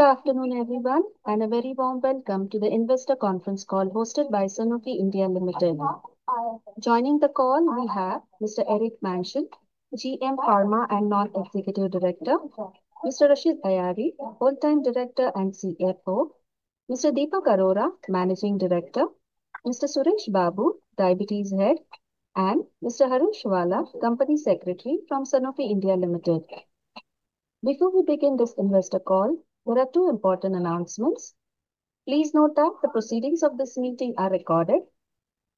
Good afternoon everyone and a very warm welcome to the investor conference call hosted by Sanofi India Limited. Joining the call we have Mr. Eric Manchin, GM Pharma and Non-Executive Director, Mr. Rashid Hayari, Full-Time Director and CFO, Mr. Deepak Arora, Managing Director, Mr. Suresh Babu, Diabetes Head, and Mr. Harun Shwala, Company Secretary from Sanofi India Limited. Before we begin this investor call, there are two important announcements. Please note that the proceedings of this meeting are recorded.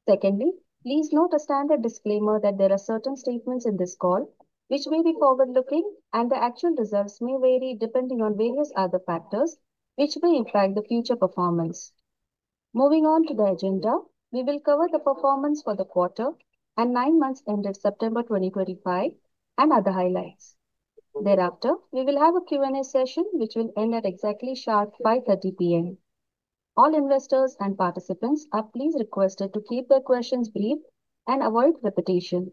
Secondly, please note a standard disclaimer that there are certain statements in this call which may be forward-looking and the actual results may vary depending on various other factors which may impact the future performance. Moving on to the agenda, we will cover the performance for the quarter and nine months ended September 2025 and other highlights thereafter. We will have a Q&A session which will end at exactly 5:30 P.M. All investors and participants are requested to keep their questions brief and avoid repetition.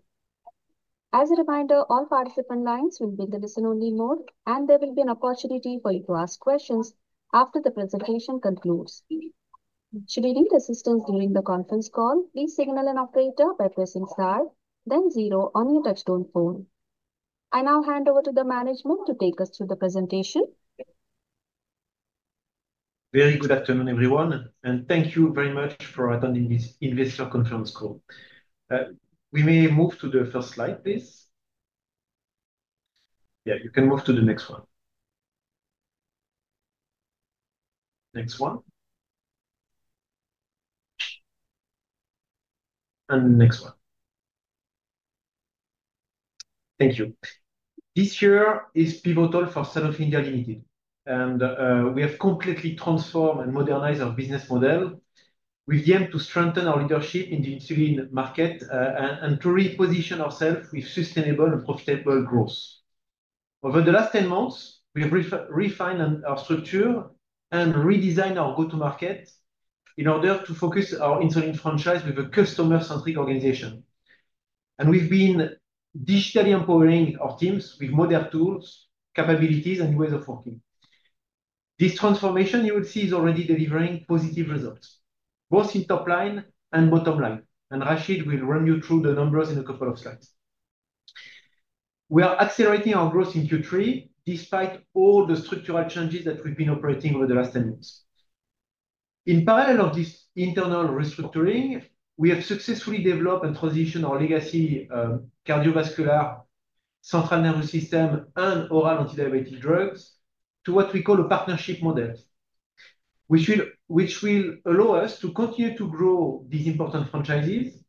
As a reminder, all participant lines will be in the listen-only mode and there will be an opportunity for you to ask questions after the presentation concludes. Should you need assistance during the conference call, please signal an operator by pressing star then zero on your touch-tone phone. I now hand over to the management to take us through the presentation. Very good afternoon everyone and thank you very much for attending this investor conference call. We may move to the first slide please. Yeah, you can move to the next one, next one, and next one. Thank you. This year is pivotal for Sanofi India Limited and we have completely transformed and modernized our business model with the aim to strengthen our leadership in the insulin market and to reposition ourselves with sustainable and profitable growth. Over the last 10 months we have refined our structure and redesigned our go-to-market in order to focus our insulin franchise with a customer-centric organization. We've been digitally empowering our teams with modern tools, capabilities, and new ways of working. This transformation, you will see, is already delivering positive results both in top line and bottom line, and Rashid will run you through the numbers in a couple of slides. We are accelerating our growth in Q3 despite all the structural changes that we've been operating over the last 10 years. In parallel with this internal restructuring, we have successfully developed and transitioned our legacy cardiovascular, central nervous system, and oral antidiabetic drugs to what we call a partnership model, which will allow us to continue to grow these important franchises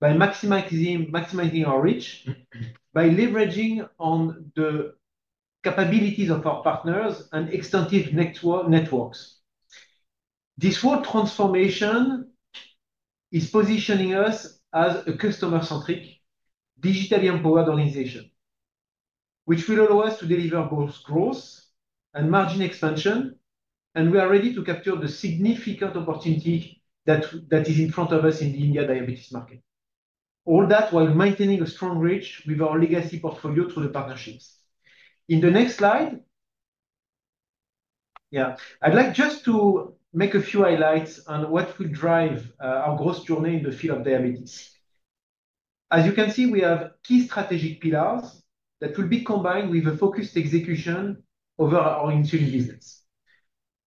by maximizing our reach by leveraging on the capabilities of our partners and extensive networks. This whole transformation is positioning us as a customer-centric, digitally empowered organization, which will allow us to deliver both growth and margin expansion. We are ready to capture the significant opportunity that is in front of us in the India diabetes market, all that while maintaining a strong reach with our legacy portfolio through the partnerships in the next slide. I'd like just to make a few highlights on what will drive our growth journey in the field of diabetes. As you can see, we have key strategic pillars that will be combined with a focused execution over our in-tune business.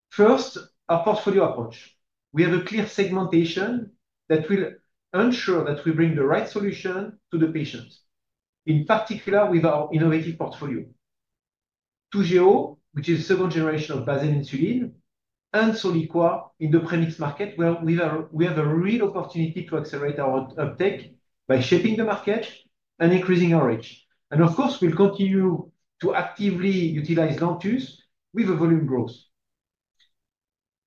First, our portfolio approach. We have a clear segmentation that will ensure that we bring the right solution to the patient, in particular with our innovative portfolio Toujeo, which is second generation of basal insulin, and Soliqua in the premix market, where we have a real opportunity to accelerate our uptake by shaping the market and increasing our edge. Of course, we'll continue to actively utilize Lantus with a volume growth.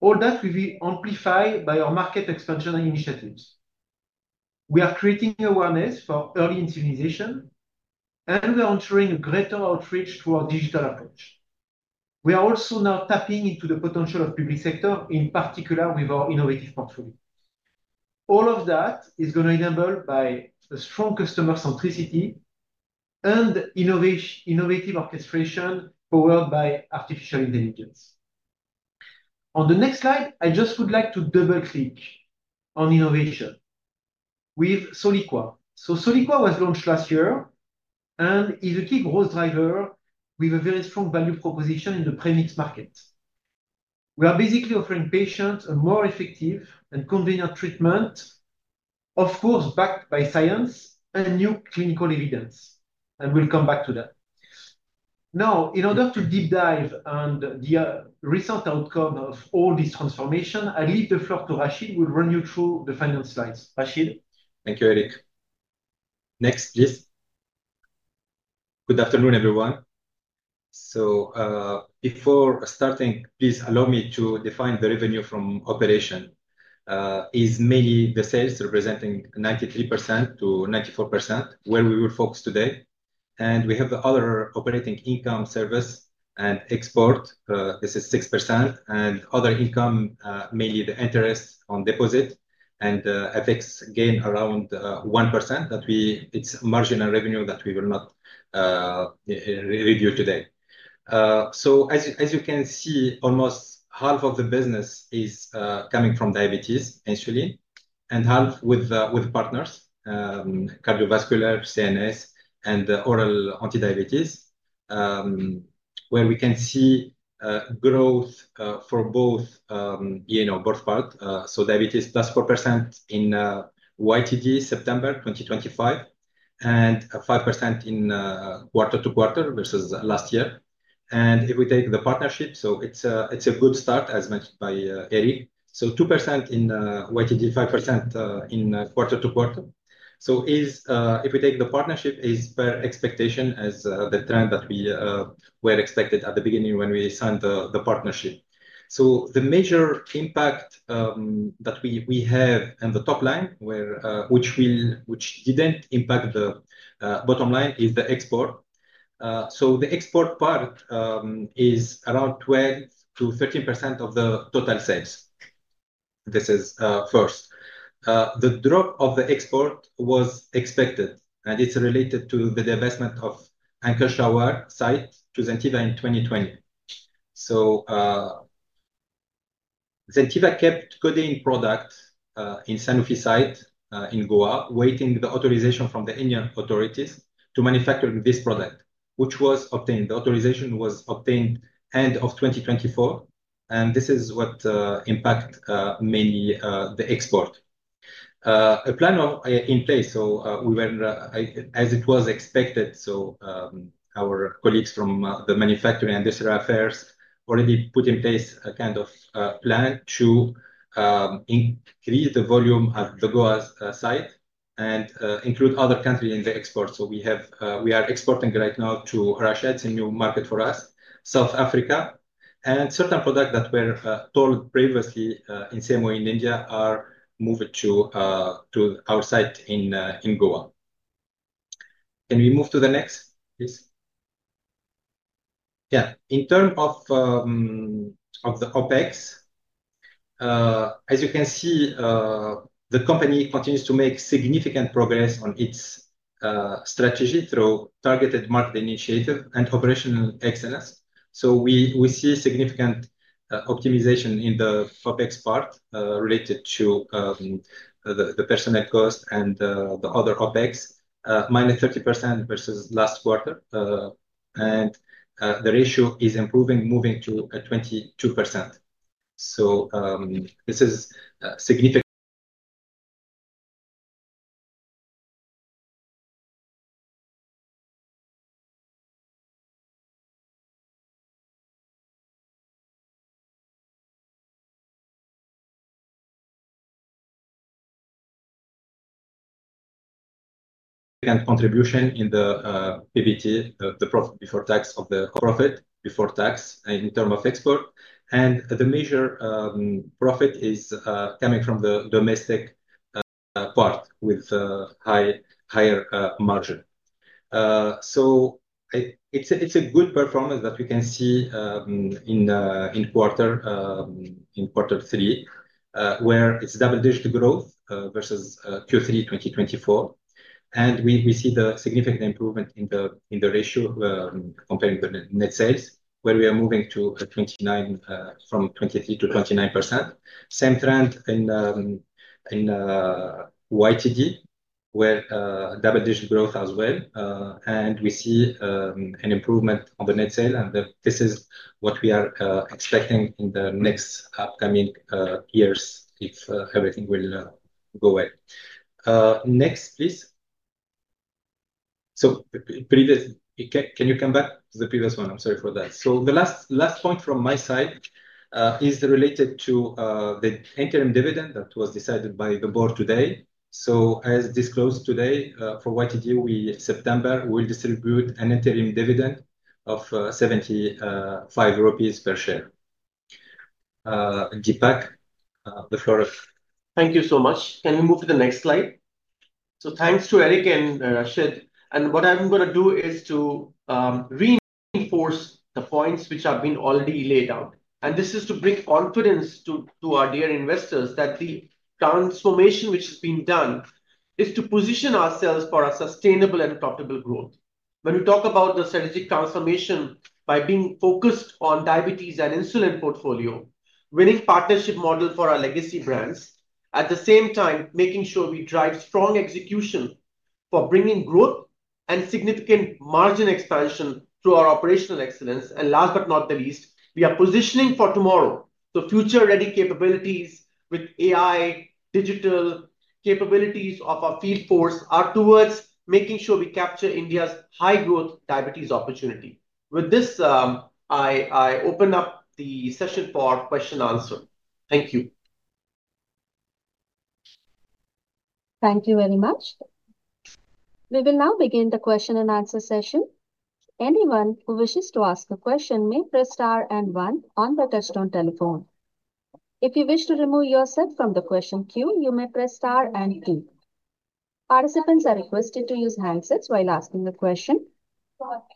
All that will be amplified by our market expansion initiatives. We are creating awareness for early incentivization, and we are ensuring a greater outreach to our digital approach. We are also now tapping into the potential of public sector in particular with our innovative portfolio. All of that is going to be enabled by a strong customer centricity and innovative orchestration powered by artificial intelligence. On the next slide, I just would like to double click on innovation with Soliqua. Soliqua was launched last year and is a key growth driver with a very strong value proposition in the premix market. We are basically offering patients a more effective and convenient treatment, of course backed by science and new clinical evidence. We will come back to that now in order to deep dive and the recent outcome of all these transformations. I leave the floor to Rashid. He will run you through the finance slides. Rashid. Thank you, Eric. Next, please. Good afternoon, everyone. Before starting, please allow me to define the revenue from operation is mainly the sales representing 93%-94%, where we will focus today. We have the other operating income, service, and export. This is 6%, and other income, mainly the interest on deposit and FX gain, around 1%. It's marginal revenue that we will not review today. As you can see, almost half of the business is coming from diabetes initially and half with partners cardiovascular, CNS, and oral antidiabetic, where we can see growth for both parts. Diabetes plus 4% in YTD September 2025 and 5% in quarter to quarter versus last year. If we take the partnership, it's a good start as mentioned by Eric. 2% in YTD, 5% in quarter to quarter. If we take the partnership, it's per expectation as the trend that we were expected at the beginning when we signed the partnership. The major impact that we have in the top line, which didn't impact the bottom line, is the export. The export part is around 12%-13% of the total sales. First, the drop of the export was expected, and it's related to the divestment of Ankleshwar site to Zentiva in 2020. Zentiva kept coding products in Sanofi site in Goa, waiting for the authorization from the Indian authorities to manufacture this product, which was obtained. The authorization was obtained end of 2024, and this is what impact mainly the export, a plan in place. We were, as it was expected. Our colleagues from the Manufacturing Industrial Affairs already put in place a kind of plan to increase the volume at the Goa site and include other countries in the export. We are exporting right now to Russia, it's a new market for us, South Africa, and certain products that were told previously in same way in India are moved to our site in Goa. Can we move to the next, please? Yeah. In terms of the OpEx, as you can see, the company continues to make significant progress on its strategy through targeted market initiative and operational excellence. We see significant optimization in the OpEx part related to the personnel cost and the other OpEx, -30% versus last quarter, and the ratio is improving, moving to 22%. This is significant contribution in the PBT, the profit before tax, in terms of export, and the major profit is coming from the domestic part with higher margin. It's a good performance that we can see in quarter three where it's double digit growth versus Q3 2024, and we see the significant improvement in the ratio comparing the net sales, where we are moving from 23% to 29%. Same trend in YTD, where double digit growth as well, and we see an improvement on the net sale, and this is what we are expecting in the next upcoming years if everything will go well. The last point from my side is related to the interim dividend that was decided by the board today. As disclosed today for YTD, we, September, will distribute an interim dividend of 75 rupees per share. Deepak, the floor. Thank you so much. Can we move to the next slide? Thanks to Eric and Rashid, and what I'm going to do is to reinforce the points which have been already laid out. This is to bring confidence to our dear investors that the transformation which has been done is to position ourselves for sustainable and profitable growth. When we talk about the strategic transformation by being focused on diabetes and insulin portfolio, winning partnership model for our legacy brands, at the same time making sure we drive strong execution for bringing growth and significant margin expansion through our operational excellence. Last but not the least, we are positioning for tomorrow, the future-ready capabilities with AI digital capabilities of our field force are towards making sure we capture India's high growth diabetes opportunity. With this, I open up the session for question-answer. Thank you. Thank you very much. We will now begin the question-and-answer session. Anyone who wishes to ask a question may press star and one on the Touchstone telephone. If you wish to remove yourself from the question queue, you may press star and 2. Participants are requested to use handsets while asking the question.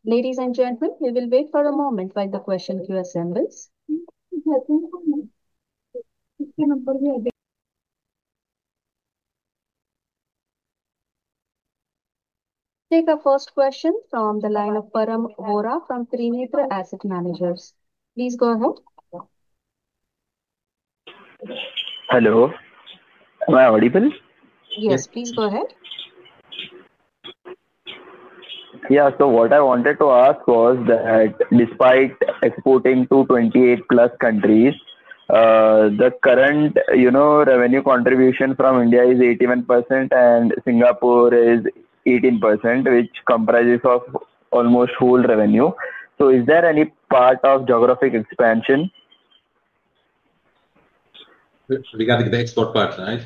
Ladies and gentlemen, we will wait for a moment while the question queue assembles. Take our first question from the line of [Param Ghora from Premipra Asset Managers]. Please go ahead. Hello, am I audible? Yes, please go ahead. Yeah, so what I wanted to ask was that despite exporting to 28+ countries, the current, you know, revenue contribution from India is 81% and Singapore is 18%, which comprises of almost whole revenue. Is there any part of geographic expansion? Regarding the export part? Right,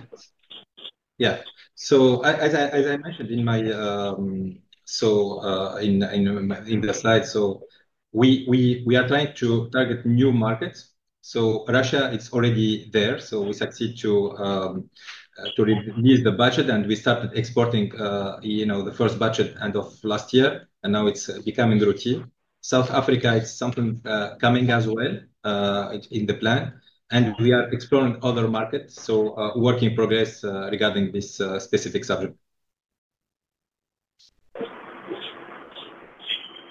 yeah. As I mentioned in the slide, we are trying to target new markets. Russia is already there. We succeed to release the budget and we started exporting the first budget end of last year, and now it's becoming routine. South Africa is something coming as well in the plan and we are exploring other markets. Work in progress regarding this specific subject.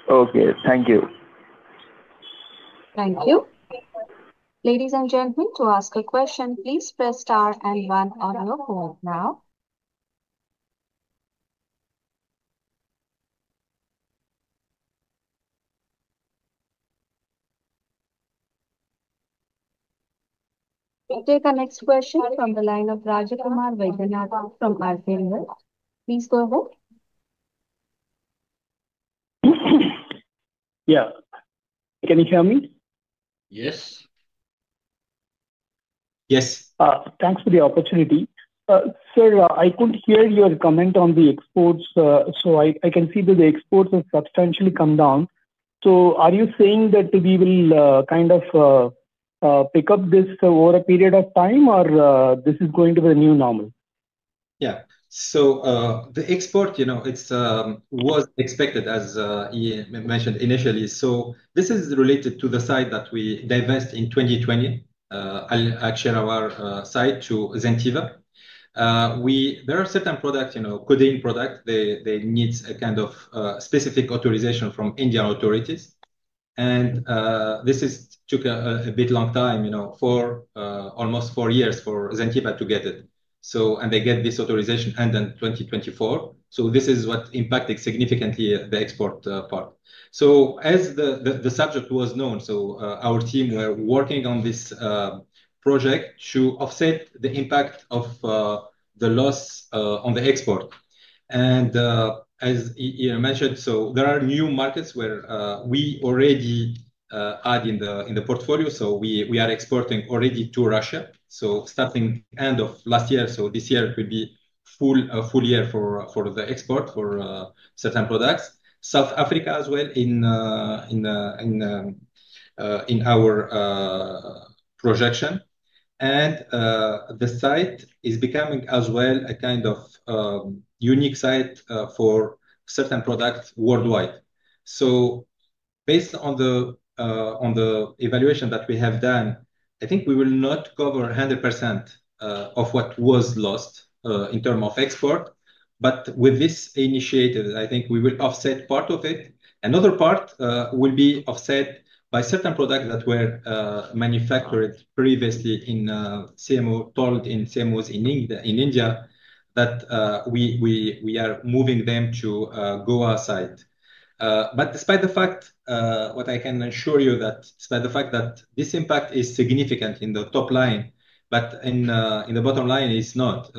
Okay, thank you. Thank you. Ladies and gentlemen, to ask a question please press star and one on your code. Now take our next question from the line of Raja Kumar Vaidyaka from RCN Health. Please go ahead. Yeah, can you hear me? Yes. Yes. Thanks for the opportunity. Sir, I could hear your comment on the exports. I can see that the exports have substantially come down. Are you saying that we will kind of pick up this over a period of time or this is going to be a new normal? Yeah, so the export, you know, it was expected as Ian mentioned initially. This is related to the site that we divested in 2020, our Ankleshwar site to Zentiva. There are certain products, you know, coding products, they need a kind of specific authorization from Indian authorities. This took a bit long time, you know, almost four years for Zentiva to get it. They get this authorization end in 2024. This is what impacted significantly the export part. As the subject was known, we were working on this project to offset the impact of the loss on the export. As I mentioned, there are new markets where we already add in the portfolio. We are exporting already to Russia, starting end of last year, so this year will be a full year for the export for certain products. South Africa as well in our projection. The site is becoming as well a kind of unique site for certain products worldwide. Based on the evaluation that we have done, I think we will not cover 100% of what was lost in terms of export, but with this initiative I think we will offset part of it. Another part will be offset by certain products that were manufactured previously in CMO, told in CMOs in India, that we are moving them to Goa site. Despite the fact, what I can assure you is that despite the fact that this impact is significant in the top line, in the bottom line it is not,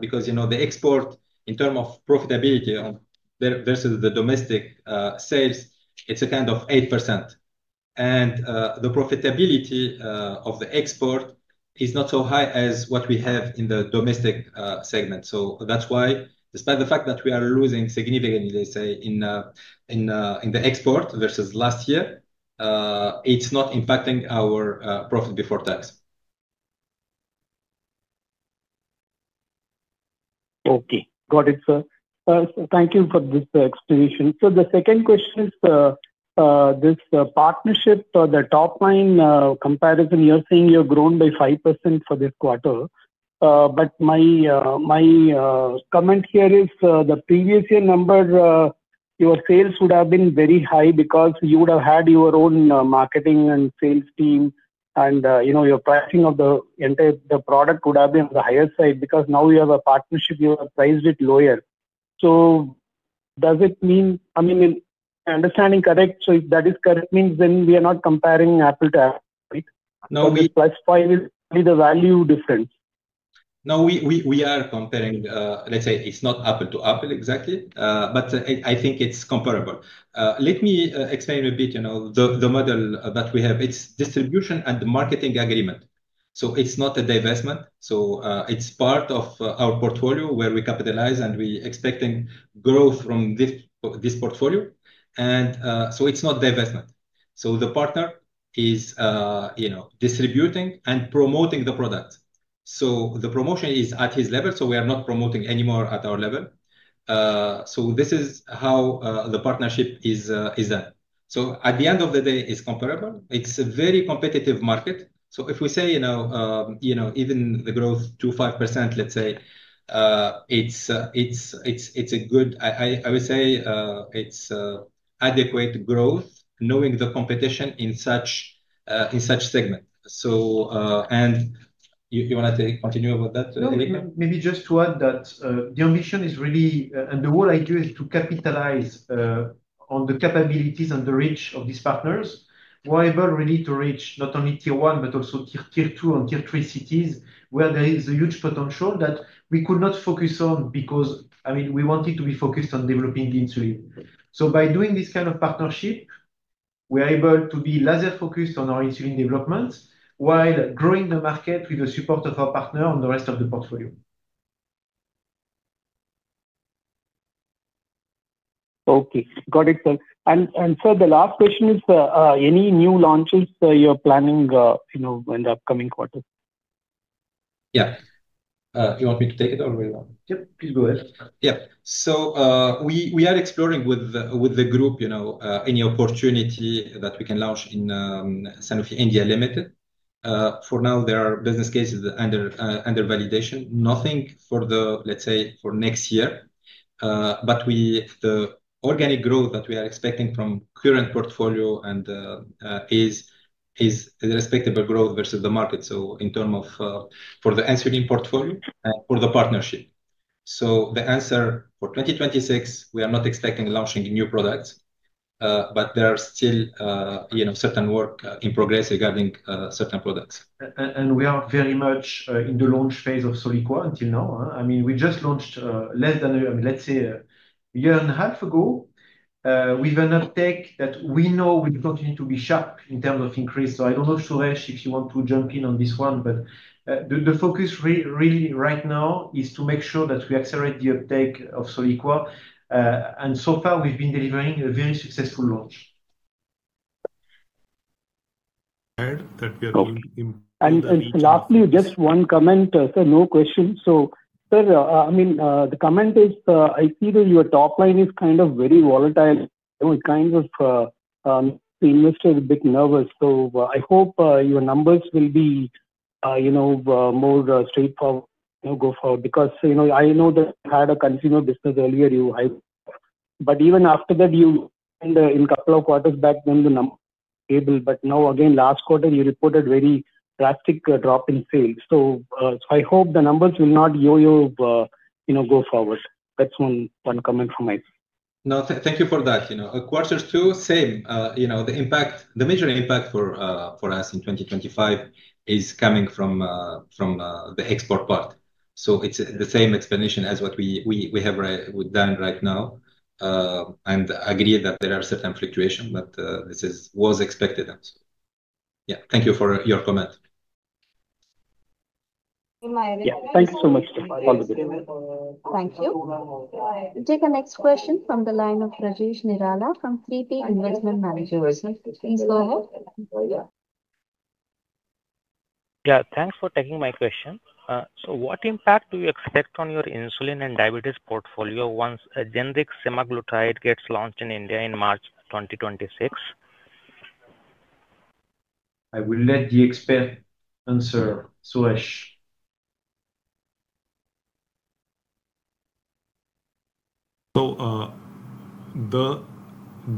because the export in terms of profitability versus the domestic sales, it's a kind of 8% and the profitability of the export is not so high as what we have in the domestic segment. That's why, despite the fact that we are losing significantly, they say in the export versus last year, it's not impacting our profit before tax. Okay, got it sir. Thank you for this explanation. The second question is this partnership or the top line comparison you're seeing, you've grown by 5% for this quarter. My comment here is the previous year number, your sales would have been very high because you would have had your own marketing and sales team, and you know your pricing of the entire product would have been on the higher side because now you have a partnership, you have priced it lower. Does it mean, I mean, understanding correct. If that is correct, then we are not comparing Apple to Apple, the value difference. No, we are comparing, let's say, it's not apple to apple exactly, but I think it's comparable. Let me explain a bit. You know, the model that we have, it's distribution and the marketing agreement. It's not a divestment. It's part of our portfolio where we capitalize, and we're expecting growth from this portfolio. It's not divestment. The partner is distributing and promoting the product. The promotion is at his level. We're not promoting anymore at our level. This is how the partnership is done. At the end of the day, it's comparable. It's a very competitive market. If we say, you know, even the growth to 5%, let's say, it's good. I would say it's adequate growth knowing the competition in such segment. You want to continue about that. Maybe just to add that the ambition is really, and the whole idea is to capitalize on the capabilities and the reach of these partners. We're able really to reach not only Tier 1 but also Tier 2 and Tier 3 cities, where there is a huge potential that we could not focus on because, I mean, we wanted to be focused on developing insulin. By doing this kind of partnership, we are able to be laser focused on our insulin development while growing the market with the support of our partner and the rest of the portfolio. Okay, got it, sir. The last question is any new launches you're planning in the upcoming quarter? Yeah, you want me to take it? Yep, please go ahead. We are exploring with the group any opportunity that we can launch in Sanofi India Limited. For now, there are business cases under validation, nothing for the next year. The organic growth that we are expecting from the current portfolio is respectable growth versus the market. In terms of answering for the partnership, the answer for 2026 is we are not expecting launching new products, but there is still certain work in progress regarding certain products And we are very much in the launch phase of Soliqua until now. I mean we just launched less than, let's say, a year and a half ago with an uptake that we know we continue to be sharp in terms of increase. I don't know, Suresh, if you want to jump in on this one, but the focus really right now is to make sure that we accelerate the uptake of Soliqua, and so far we've been delivering a very successful launch. Lastly, just one comment. No question. The comment is I see that your top line is kind of very volatile. It kind of makes investors a bit nervous. I hope your numbers will be more straightforward going forward because I know that you had a Consumer Healthcare business earlier, but even after that and in a couple of quarters back then, the numbers stabilized. Now again, last quarter you reported a very drastic drop in sales. I hope the numbers will not yo-yo going forward. That's one comment from my side. No, thank you for that. You know, quarter to same. You know, the impact, the major impact for us in 2025 is coming from the export part. It's the same explanation as what we have done right now, and agree that there are certain fluctuations. This was expected. Yeah, thank you for your comment. Thank you so much. Thank you. Take the next question from the line of Brajesh Nirala from 3P Investment Managers. Yeah, thanks for taking my question. What impact do you expect on your insulin and diabetes portfolio once a generic semaglutide gets launched in India in March 2026? I will let the expert answer, Suresh. The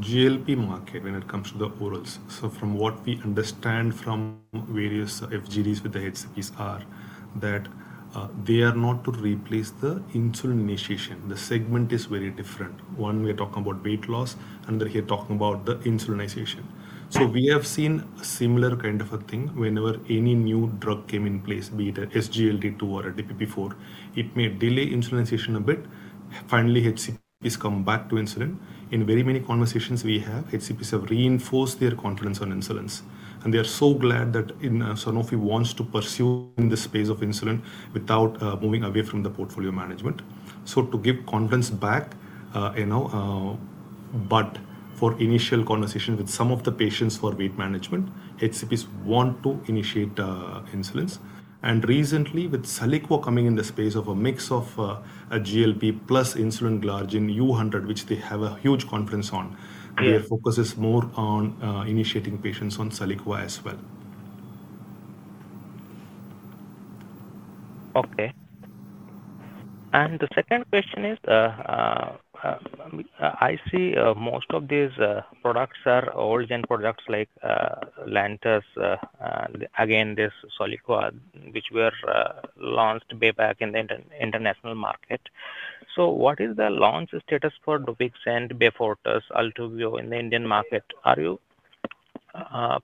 GLP market when it comes to the orals, from what we understand from various FGDs with the HCPs, is that they are not to replace the insulin initiation. The segment is very different. One, we are talking about weight loss, another here talking about the insulinization. We have seen a similar kind of a thing whenever any new drug came in place, be it SGLT2 or DPP4, it may delay insulinization a bit. Finally, HCPs come back to insulin. In very many conversations we have, HCPs have reinforced their confidence on insulin, and they are so glad that Sanofi wants to pursue this phase of insulin without moving away from the portal management, to give confidence back, you know. For initial conversation with some of the patients for weight management, HCPs want to initiate insulins. Recently, with Soliqua coming in the space of a mix of GLP plus insulin Glargine U100, which they have a huge conference on, their focus is more on initiating patients on Soliqua as well. Okay, and the second question is I see most of these products are origin products like Lantus, again this Soliqua, which were launched way back in the international market. What is the launch status for Dupixent, Beyfortus Altuvio in the Indian market? Are you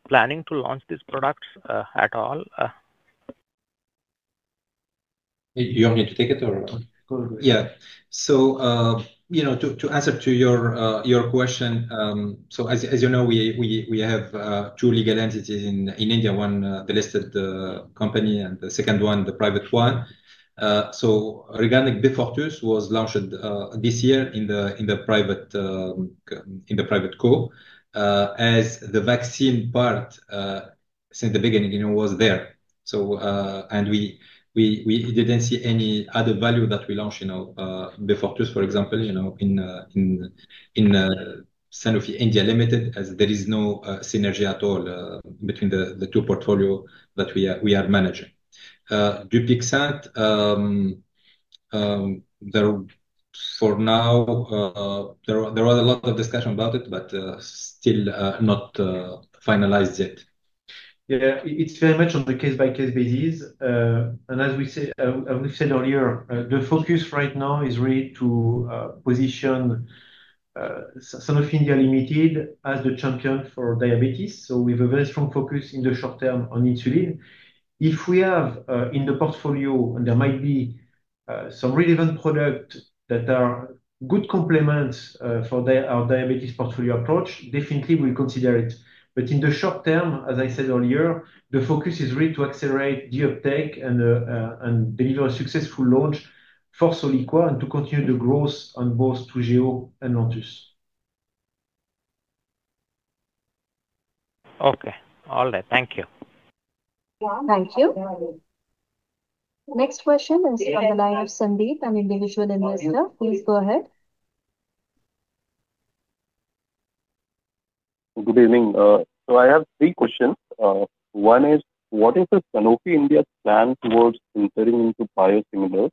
planning to launch these products at all? You want me to take it? Yeah. To answer your question, as you know we have two legal entities in India, one the listed company and the second one the private one. Organic Beyfortus was launched this year in the private company, in the private core as the vaccine part since the beginning was there and we didn't see any other value that we launched Beyfortus for example, in Sanofi India Limited as there is no synergy at all between the two portfolios that we are managing. Dupixent for now, there was a lot of discussion about it, but still not finalized yet. Yeah, it's very much on the case-by-case basis. As we say earlier, the focus right now is really to position Sanofi India Limited as the champion for diabetes. We have a very strong focus in the short-term on India. If we have in the portfolio there might be some relevant products that are good complements for our diabetes portfolio approach. Definitely we'll consider it. In the short-term, as I said earlier, the focus is really to accelerate the uptake and deliver a successful launch for Soliqua and to continue the growth on both Toujeo and Nantus. Okay, all that, thank you. Thank you. Next question is from the line of Sandeep, an individual investor. Please go ahead. Good evening. I have three questions. One is what is Sanofi India's plan towards entering into biosimilars,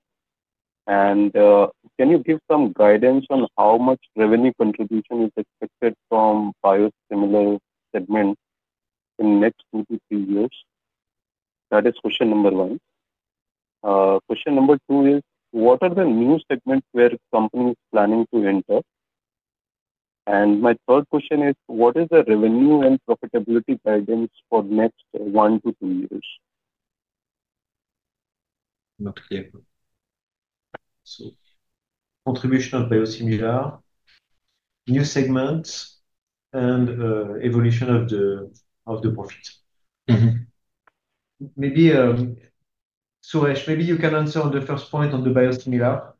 and can you give some guidance on how much revenue contribution is expected from the biosimilars segment in the next two to three years? That is question number one. Question number two is what are the new segments where the company is planning to enter? My third question is what is the revenue and profitability guidance for the next one to two years? Not clear. Contribution of biosimilar new segments and evolution of the profit. Maybe Suresh, maybe you can answer on the first point on the biosimilar.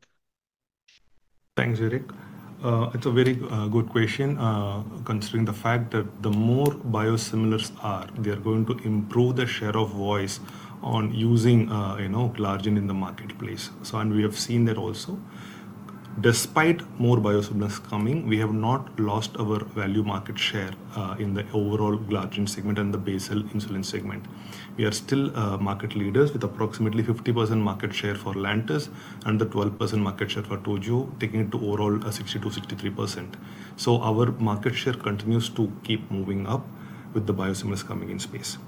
Thanks, Eric. It's a very good question considering the fact that the more biosimilars are, they are going to improve the share of voice on using, you know, glargine in the marketplace. We have seen that also despite more biosimilars coming, we have not lost our value market share in the overall glargine segment and the basal insulin segment. We are still market leaders with approximately 50% market share for Lantus and the 12% market share for Toujeo, taking it to overall 60%-63%. Our market share continues to keep moving up with the biosimilars coming in space.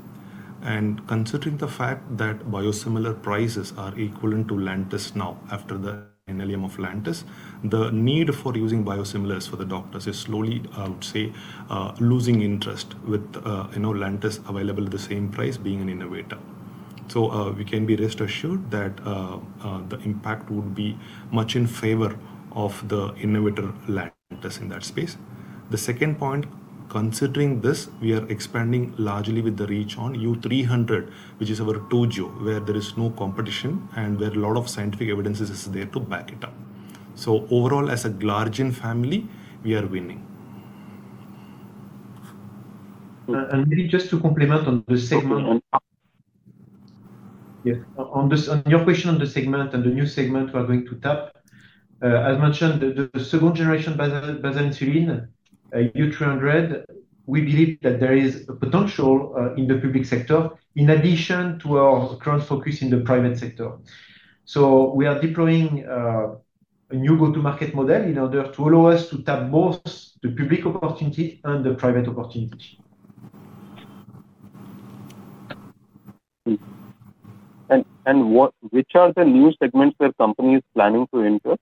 And considering the fact that biosimilar prices are equivalent to Lantus now after the NLM of Lantus, the need for using biosimilars for the doctors is slowly, I would say, losing interest with Lantus available at the same price being an innovator, we can be rest assured that the impact would be much in favor of the innovator Lantus in that space. The second point, considering this, we are expanding largely with the reach on U300, which is our Toujeo, where there is no competition and where a lot of scientific evidence is there to back it up. Overall, as a glargine family, we are winning. To complement your question on the segment and the new segment we are going to tap, as mentioned, the second-generation Basal Insulin U300. We believe that there is a potential in the public sector in addition to our current focus in the private sector. We are deploying a new go-to-market model in order to allow us to tap both the public opportunity and the private opportunity. Which are the new segments where the company is planning to enter?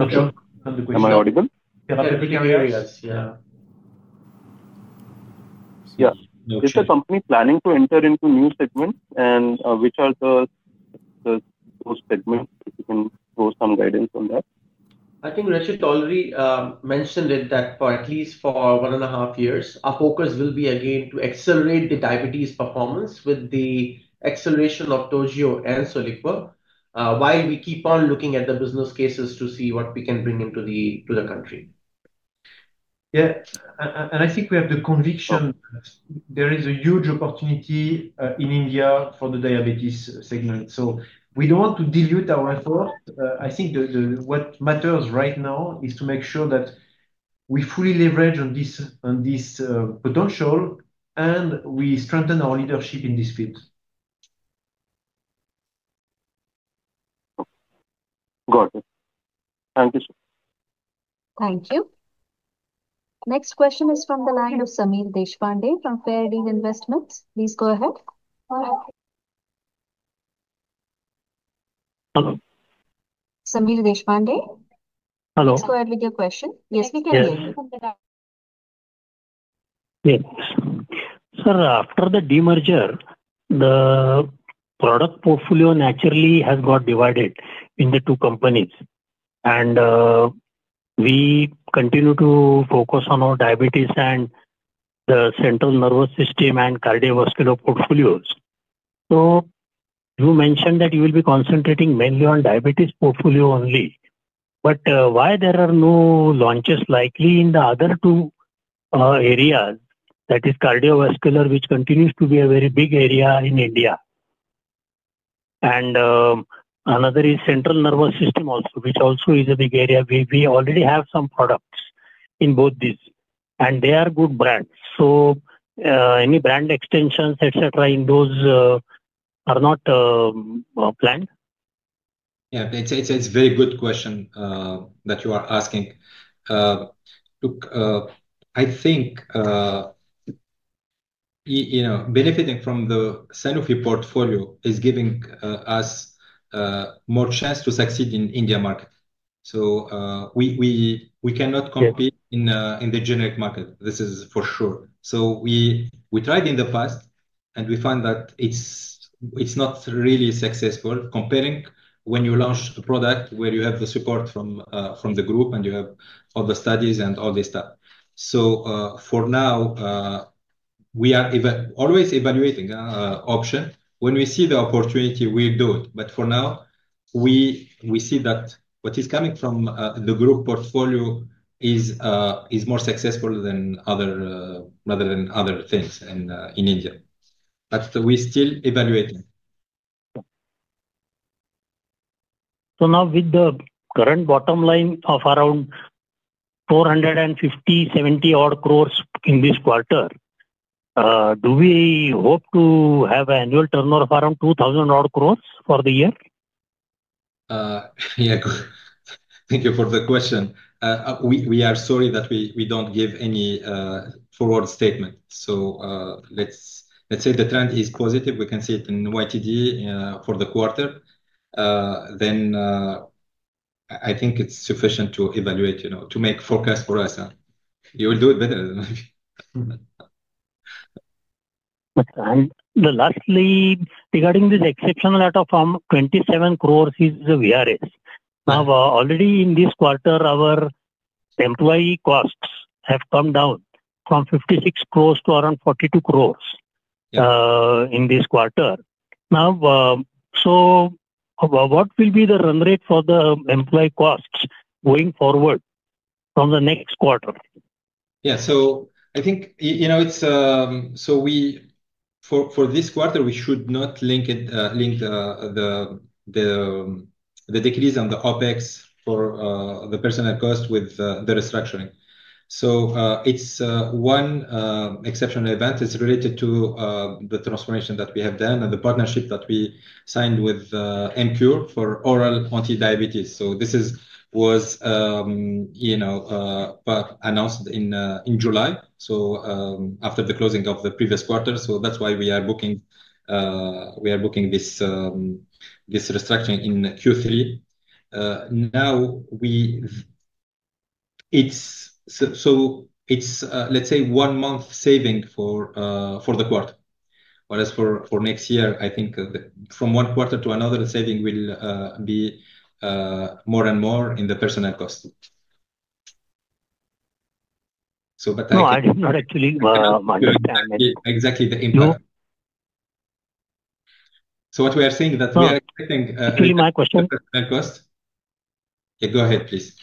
Am I audible? Is the company planning to enter into new segments and which are the guidance on that? I think Rashid already mentioned it, that for at least one and a half years our focus will be again to accelerate the diabetes performance with the acceleration of Toujeo and Soliqua while we keep on looking at the business cases to see what we can bring into the country. I think we have the conviction there is a huge opportunity in India for the diabetes segment. We don't want to dilute our effort. What matters right now is to make sure that we fully leverage this potential and we strengthen our leadership in this field. Got it. Thank you, sir. Thank you. Next question is from the line of Sameer Deshpande from FairDeal Investments. Please go ahead. Hello, Deshpande. Hello. Let's go ahead with your question. Yes. Sir, after the demerger the product portfolio naturally has got divided into two companies, and we continue to focus on our diabetes and the central nervous system and cardiovascular portfolios. You mentioned that you will be concentrating mainly on diabetes portfolio only. Why are there no launches likely in the other two areas? That is, cardiovascular, which continues to be a very big area in India, and another is central nervous system also, which also is a big area. We already have some products in both these and they are good brands. Any brand extensions etc. in those are not planned? Yeah, it's a very good question that you are asking. Look, I think you know benefiting from the Sanofi portfolio is giving us more chance to succeed in the India market. We cannot compete in the generic market, this is for sure. We tried in the past and we find that it's not really successful. Comparing when you launch a product where you have the support from the group and you have all the studies and all this stuff, for now we are always evaluating option. When we see the opportunity, we do it. For now we see that what is coming from the group portfolio is more successful rather than other things in India. We still evaluate. With the current bottom line of around 450.70 crore in this quarter, do we hope to have annual turnover of around 2,000 crore for the year? Yeah. Thank you for the question. We are sorry that we don't give any forward statement. Let's say the trend is positive, we can see it in YTD for the quarter. I think it's sufficient to evaluate to make forecast for us. You will do it better. Lastly, regarding this exceptional letter from 27 crores, is the VRS now already in this quarter? Our employee costs have come down from 56 crores to around 42 crores in this quarter now. What will be the run rate for the employee costs going forward from the next quarter? Yeah, I think for this quarter we should not link the decrease in the OpEx for the personnel cost with the restructuring. One exceptional event is related to the transformation that we have done and the partnership that we signed with Emcure Pharmaceuticals for oral antidiabetic drugs. This was announced in July, after the closing of the previous quarter. That's why we are booking this restructuring in Q3. Now, it's one month saving for the quarter, whereas for next year, I think from one quarter to another, the saving will be more and more in the personnel cost. No, I did not actually understand. Exactly the impact. What we are saying that we. Can I repeat my question? Go ahead, please.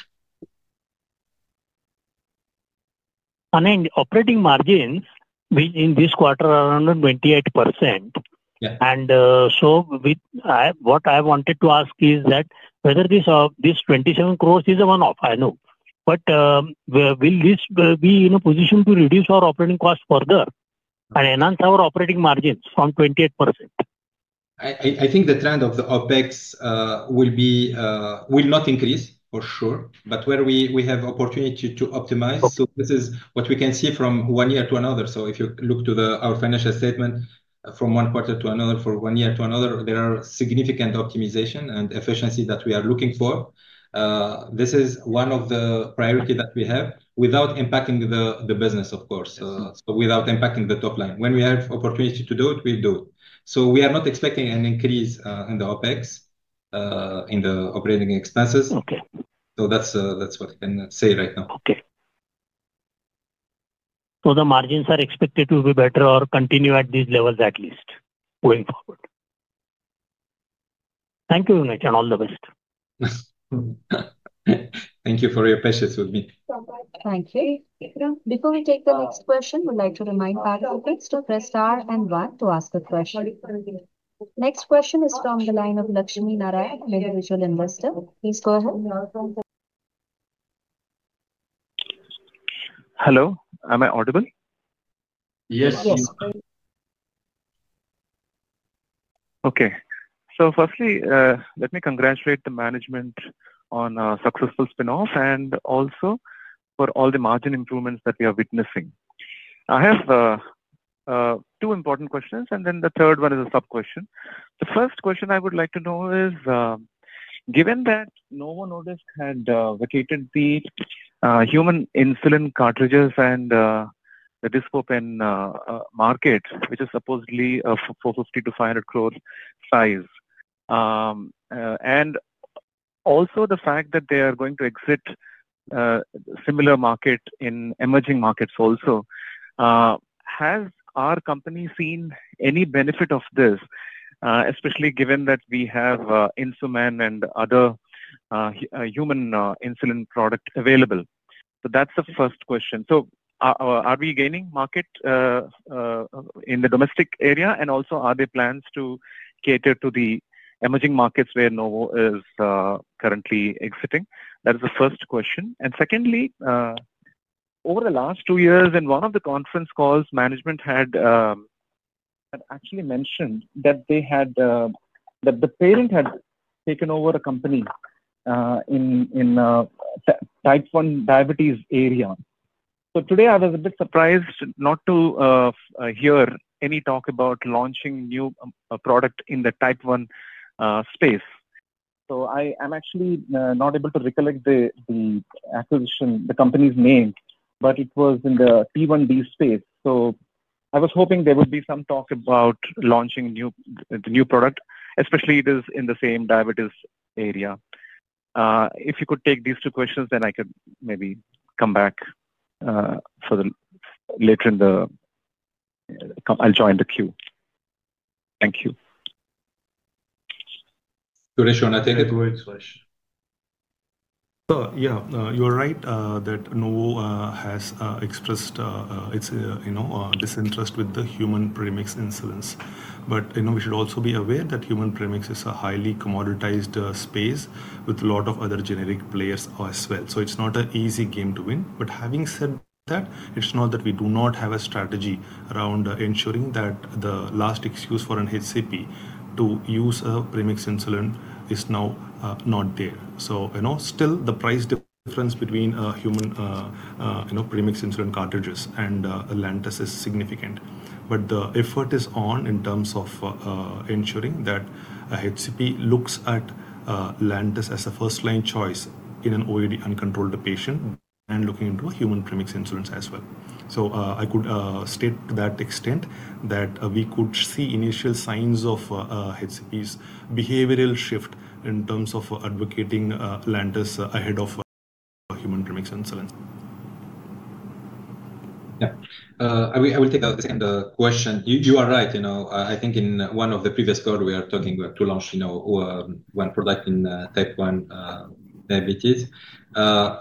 Operating margins, which in this quarter are around 28%, what I wanted to ask is whether this 27 crores is a one-off. I know, but will this be in a position to reduce our operating cost further and enhance our operating margins from 28%? I think the trend of the OpEx will not increase for sure, but where we have opportunity to optimize. This is what we can see from one year to another. If you look to our financial statement from one quarter to another, for one year to another, there are significant optimization and efficiency that we are looking for. This is one of the priority that we have without impacting the business, of course, without impacting the top line. When we have opportunity to do it, we do it. We are not expecting an increase in the OpEx, in the operating expenses. That's what I can say right now. Okay, so the margins are expected to be better or continue at these levels at least going forward. Thank you and all the best. Thank you for your patience with me. Thank you. Before we take the next question, I would like to remind participants to press star and one to ask a question. Next question is from the line of Lakshmi Narayan, individual investor. Please go ahead. Hello. Am I audible? Yes. Okay, so firstly let me congratulate the management on successful spinoff and also for all the margin improvements that we are witnessing. I have two important questions and then the third one is a sub-question. The first question I would like to know is given that Novo Nordisk had vacated the human insulin cartridges and the dispopen market which is supposedly 450 crore-500 crore size and also the fact that they are going to exit similar market in emerging markets also, has our company seen any benefit of this? Especially given that we have Insomin and other human insulin product available. That's the first question. Are we gaining market in the domestic area and also are there plans to cater to the emerging markets where Novo is currently exiting? That is the first question. Secondly, over the last two years in one of the conference calls, management had actually mentioned that the parent had taken over a company in type 1 diabetes area. Today I was a bit surprised not to hear any talk about launching new product in the type 1 space. I am actually not able to recollect the acquisition, the company's name, but it was in the T1D space. I was hoping there would be some talk about launching the new product especially as it is in the same diabetes area. If you could take these two questions then I could maybe come back for the later in the. I'll join the queue. Thank you. Yeah, you're right that Novo has expressed its, you know, disinterest with the human premix insulins. You know, we should also be aware that human premix is a highly commoditized space with a lot of other generic players as well. It's not an easy game to win. Having said that, it's not that we do not have a strategy around ensuring that the last excuse for an HCP to use a premix insulin is now not there. Still, the price difference between human premixed insulin cartridges and Lantus is significant. The effort is on in terms of ensuring that HCP looks at Lantus as a first line choice in an OAD uncontrolled patient and looking into a human premixed insulin as well. I could state to that extent that we could see initial signs of HCP's behavioral shift in terms of advocating Lantus ahead of human clinics and cells. I will take a second question. You are right. I think in one of the previous calls we are talking to launch one product in type 1 diabetes.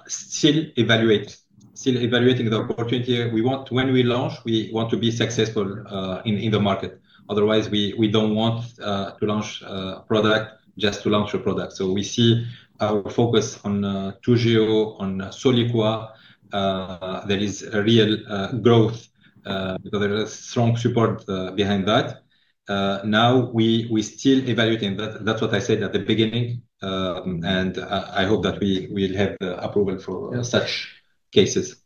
Still evaluating the opportunity when we launch, we want to be successful in the market. Otherwise, we don't want to launch a product just to launch a product. We see our focus on Toujeo, on Soliqua. There is a real growth because there is strong support behind that. We still evaluate. That's what I said at the beginning and I hope that we will have approval for such cases.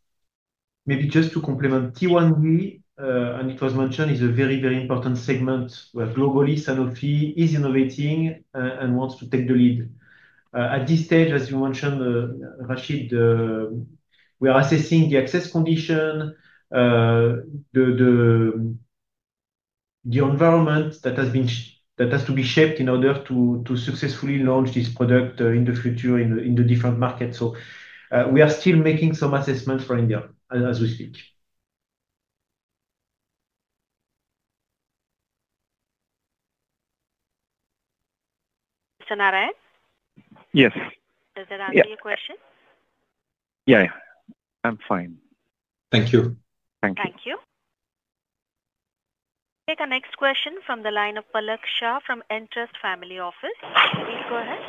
Maybe just to complement T1V. It was mentioned as a very, very important segment where globally Sanofi is innovating and wants to take the lead. At this stage, as you mentioned, Rashid, we are assessing the access condition, the environment that has to be shaped in order to successfully launch this product in the future in the different markets. We are still making some assessments for India as we speak. Yes. Does that answer your question? Yeah, I'm fine. Thank you. Thank you. Thank you. Take our next question from the line. Palak Shah from Entrust Family Office, please go ahead.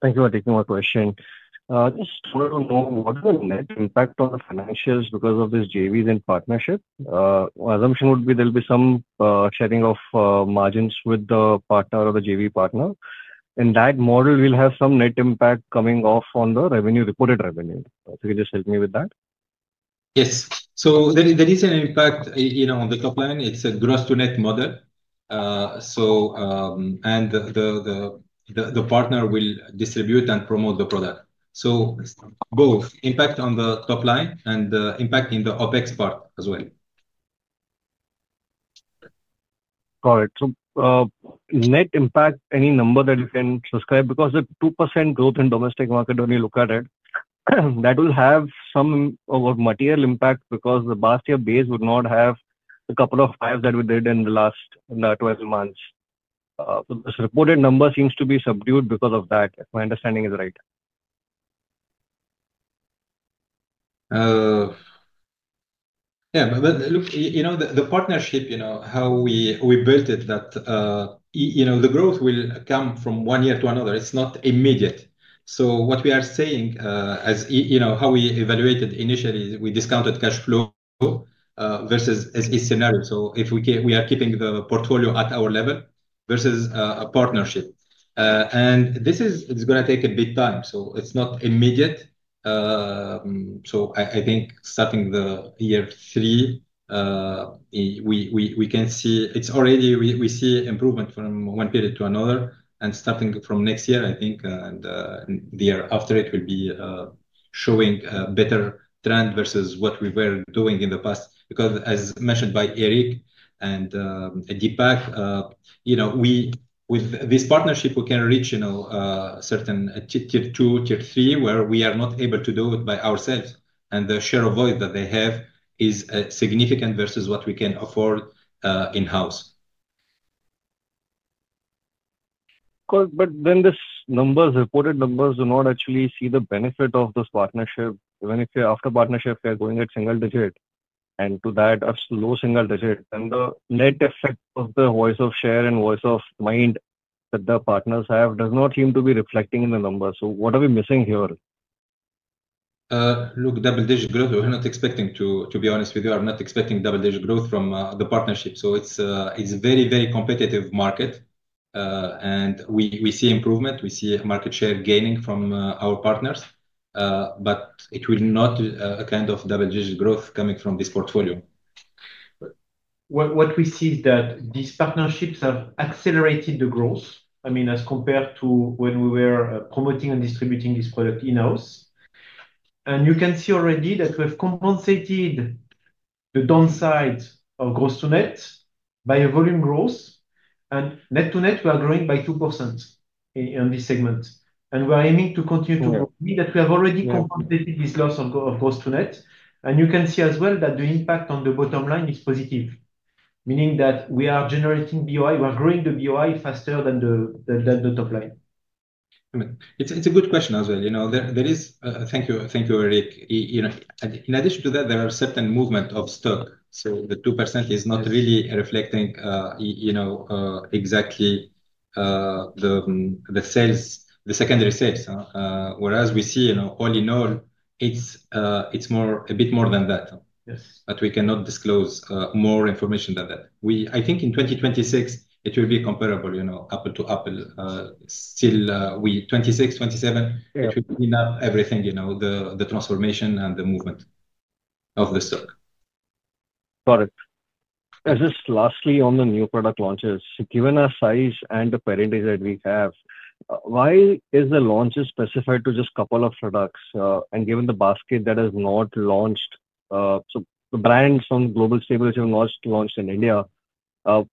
Thank you for taking my question. Just wanted to know what is the net impact on the financials because of this JV then partnership? My assumption would be there'll be some shedding of margins with the partner or the JV partner, and that model will have some net impact coming off on the revenue, reported revenue. If you can just help me with that. Yes. There is an impact, you know, on the top line. It's a gross to net model. The partner will distribute and promote the product. Both impact on the top line and impact in the OpEx part as well. Got it. Net impact, any number that you can subscribe because the 2% growth in domestic market, when you look at it, that will have some material impact because the base would not have a couple of hives that we did in the last 12 months. This reported number seems to be subdued because of that. My understanding is right. Yeah, look, you know the partnership, you know how we built it, that the growth will come from one year to another. It's not immediate. What we are saying, as you know, how we evaluated initially, we discounted cash flow versus each scenario. If we are keeping the portfolio at our level versus a partnership, this is going to take a bit of time, so it's not immediate. I think starting year three, we can see it's already, we see improvement from one period to another, and starting from next year, I think thereafter it will be showing a better trend versus what we were doing in the past. Because as mentioned by Eric and Deepak, with this partnership we can reach certain Tier 2, Tier 3 where we are not able to do it by ourselves. The share of void that they have is significant versus what we can afford in-house. These reported numbers do not actually see the benefit of this partnership. Even if after partnership they are going at single digit and to that a low single digit, the net effect of the share of voice and mind that the partners have does not seem to be reflecting in the numbers. What are we missing here? Look, double digit growth. We're not expecting, to be honest with you, I'm not expecting double digit growth from the partnership. It is a very, very competitive market and we see improvement, we see market share gaining from our partners. It will not be a kind of double digit growth coming from this portfolio. What we see is that these partnerships have accelerated the growth. I mean as compared to when we were promoting and distributing this product in-house. You can see already that we've compensated the downside of gross to net by a volume growth, and net to net we are growing by 2% on this segment and we're aiming to continue to that. We have already compensated this loss of gross to net. You can see as well that the impact on the bottom line is positive, meaning that we are generating BOI. We're growing the BOI faster than the top line. It's a good question as well. Thank you. Thank you, Eric. In addition to that, there are certain movement of stock. The 2% is not really reflecting exactly the sales, the secondary sales. Whereas we see, all in all, it's a bit more than that but we cannot disclose more information than that. I think in 2026 it will be comparable, you know, apple to apple. Still, 2026, 2027, everything, the transformation and the movement of the [circ]. Alright. Just lastly on the new product launches, given our size and the parentage that we have, why is the launches specified to just couple of products? Given the basket that has not launched, so the brands on global stables have launched in India.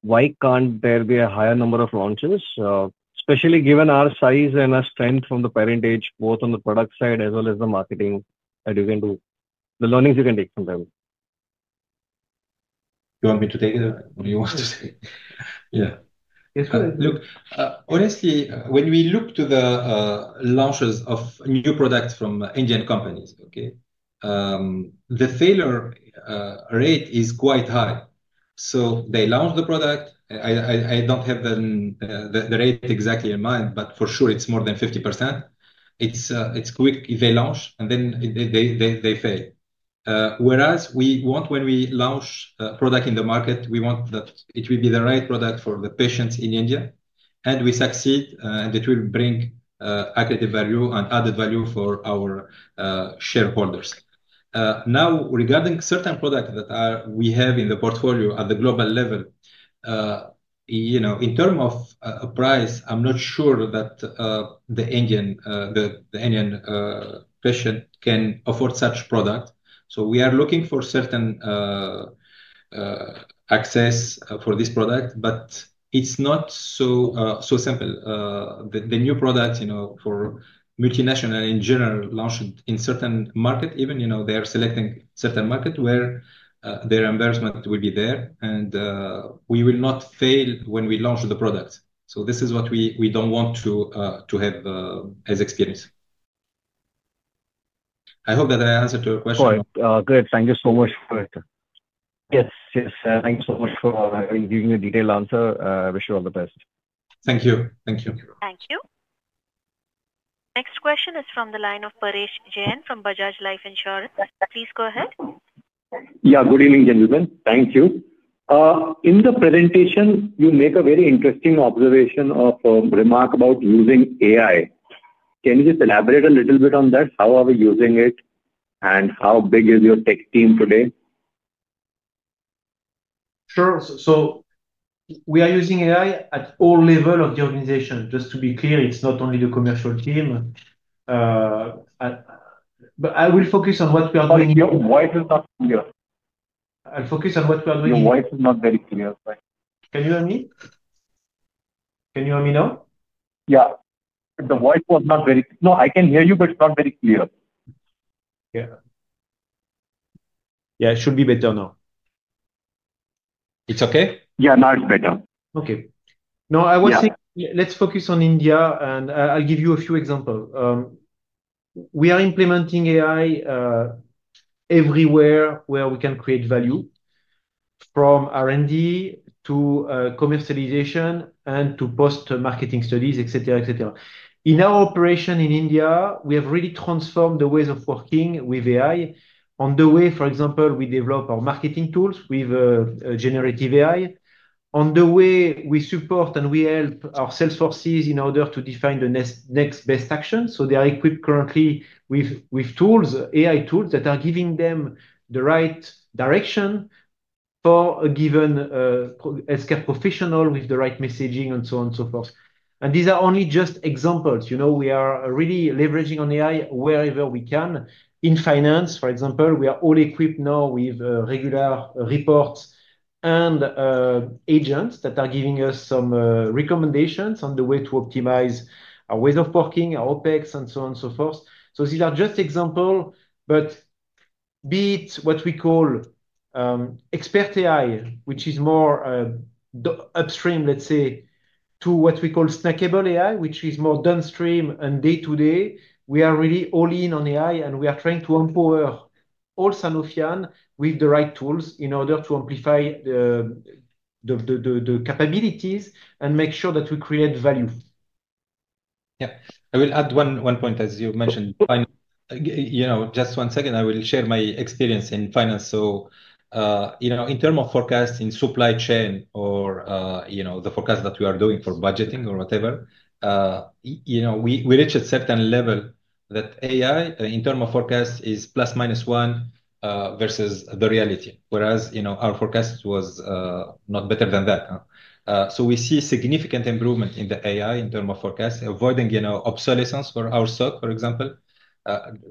Why can't there be a higher number of launches? Especially given our size and our strength from the parentage, both on the product side as well as the marketing that you can do, the learnings you can take from them. Yeah, look, honestly, when we look to the launches of new products from Indian companies, the failure rate is quite high. They launch the product. I don't have the rate exactly in mind, but for sure it's more than 50%. It's quick. They launch and then they fail. Whereas we want, when we launch a product in the market, we want that it will be the right product for the patients in India and we succeed and it will bring an added value for our shareholders. Now regarding certain products that we have in the portfolio at the global level, in terms of price, I'm not sure that the Indian patient can afford such product. We are looking for certain access for this product. It's not so simple. The new products for multinational in general launched in certain market, even they are selecting certain market where their embarrassment will be there and we will not fail when we launch the product. This is what we don't want to have as experience. I hope that I answered your question. Good. Thank you so much for it. Yes, yes. Thanks so much for giving a detailed answer. I wish you all the best. Thank you. Thank you. Thank you. Next question is from the line of Paresh Jain from Bajaj Life Insurance. Please go ahead. Good evening gentlemen. Thank you. In the presentation you make a very interesting observation or remark about using AI. Can you just elaborate a little bit on that? How are we using it and how big is your tech team today? Sure. We are using AI at all levels of the organization. Just to be clear, it's not only the commercial team. I will focus on what we are doing. Your voice is not clear. I'll focus on what we are doing. Your voice is not very clear. Can you hear me? Can you hear me now? Yeah, the voice was not very clear. No, I can hear you, but it's not very clear. Yeah. It should be better now. Is it okay? Yeah, now it's better. Okay. No, I was thinking let's focus on India and I'll give you a few examples. We are implementing AI everywhere where we can create value from R&D to commercialization and to post marketing studies, etc. In our operation in India, we have really transformed the ways of working with AI. For example, we develop our marketing tools with generative AI. We support and we help our salesforces in order to define the next best action. They are equipped currently with tools, AI tools that are giving them the right direction for a given healthcare professional with the right messaging and so on and so forth. These are only just examples, you know, we are really leveraging on AI wherever we can. In finance, for example, we are all equipped now with regular reports and agents that are giving us some recommendations on the way to optimize our ways of working, our OpEx, and so on, so forth. These are just examples. Be it what we call expert AI, which is more upstream, to what we call snackable AI, which is more downstream and day-to-day, we are really all in on AI and we are trying to empower all Sanufians with the right tools in order to amplify the capabilities and make sure that we create value. Yeah, I will add one point as you mentioned. Just one second, I will share my experience in finance. In terms of forecast in supply chain or the forecast that we are doing for budgeting or whatever, we reach a certain level that AI in terms of forecast is +-1 versus the reality. Whereas our forecast was not better than that. We see significant improvement in the AI in terms of forecast avoiding obsolescence for our SoC, for example,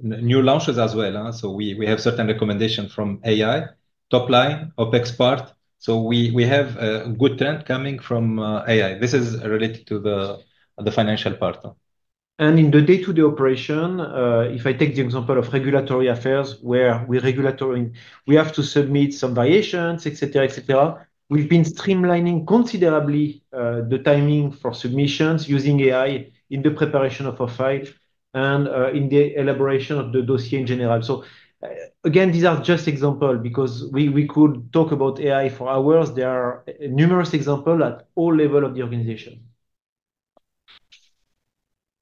new launches as well. We have certain recommendations from AI top line OpEx part. We have a good trend coming from AI. This is related to the financial part. In the day-to-day operation, if I take the example of regulatory affairs, where we're regulatory, we have to submit some variations, etc. We've been streamlining considerably the timing for submissions using AI in the preparation of a file and in the elaboration of the dossier in general. These are just examples because we could talk about AI for hours. There are numerous examples at all levels of the organization.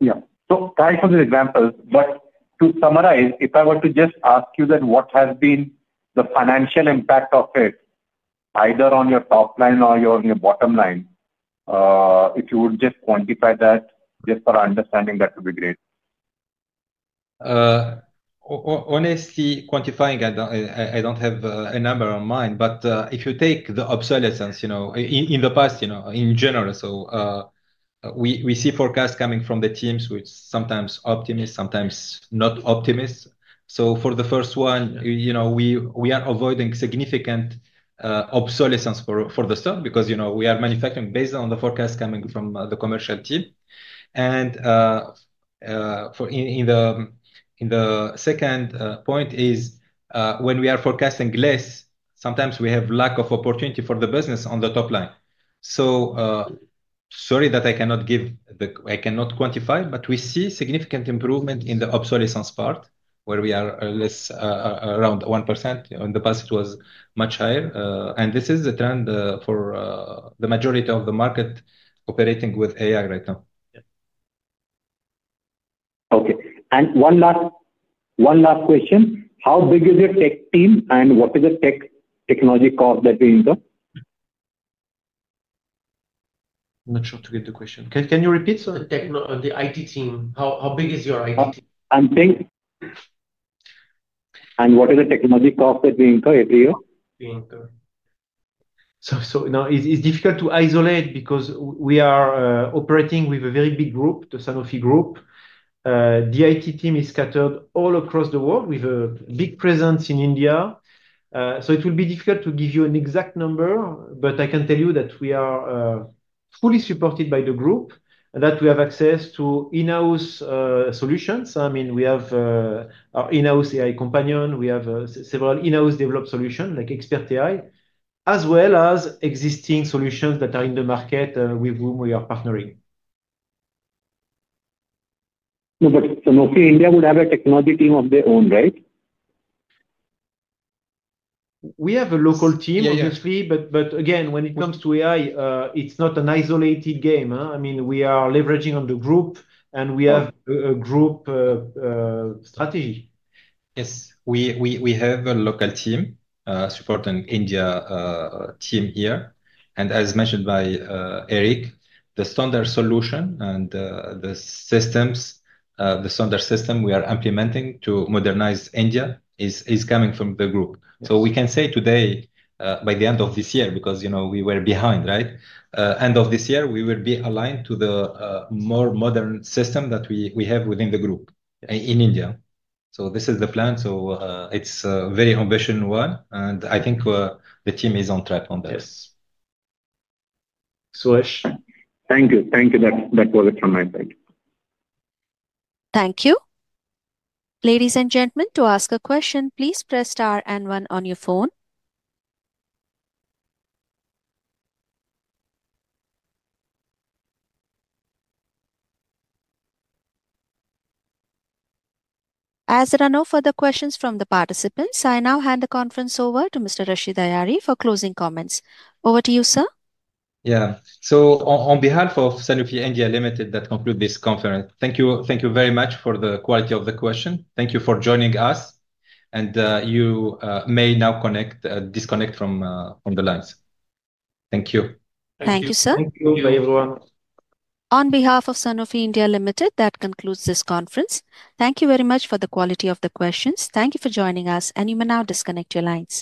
Yeah, try some of the examples. To summarize, if I were to just ask you what has been the financial impact of it either on your top line or on your bottom line, if you would just quantify that, just for understanding, that would be great. Honestly, quantifying, I don't have a number on mine, but if you take the obsolescence, you know, in the past, in general, we see forecasts coming from the teams, sometimes optimist, sometimes not optimistic. For the first one, we are avoiding significant obsolescence for the stock because we are manufacturing based on the forecast coming from the commercial team. And, the second point is when we are forecasting less, sometimes we have lack of opportunity for the business on the top line. Sorry that I cannot give the, I cannot quantify, but we see significant improvement in the obsolescence part where we are less around 1%. In the past it was much higher. This is the trend for the majority of the market operating with AI right now. Okay, one last question. How big is your tech team and what is the tech technology cost that we enter? Not sure to get the question. Can you repeat, sir? The IT team, how big is your team? IT team and think, and what is the technology cost that we incur every year? Now it's difficult to isolate because we are operating with a very big group, the Sanofi Group. The IT team is scattered all across the world with a big presence in India. It will be difficult to give you an exact number. I can tell you that we are fully supported by the group, that we have access to in-house solutions. I mean we have our in-house AI companion. We have several in-house developed solutions like expert AI as well as existing solutions that are in the market with whom we are partnering. Sanofi India would have a technology team of their own, right? We have a local team, obviously. When it comes to AI, it's not an isolated game. I mean, we are leveraging on the group, and we have a group strategy. Yes, we have a local team supporting India team here. As mentioned by Eric, the standard solution and the standard system we are implementing to modernize India is coming from the group. We can say today, by the end of this year, because we were behind, right, end of this year we will be aligned to the more modern system that we have within the group in India. This is the plan. It is a very ambitious one and I think the team is on track on this. Suresh. Thank you. Thank you. That was it from my side. Thank you. Ladies and gentlemen, to ask a question, please press star and one on your phone. As there are no further questions from the participants, I now hand the conference over to Mr. Rashid Hayari for closing comments. Over to you, sir. Yeah. On behalf of Sanofi India Limited, that concludes this conference, thank you. Thank you very much for the quality of the question. Thank you for joining us. You may now disconnect from the lines. Thank you. Thank you, sir. On behalf of Sanofi India Limited, that concludes this conference. Thank you very much for the quality of the questions. Thank you for joining us. You may now disconnect your lines.